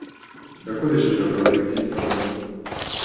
Yakoresheje akabari k'isabune.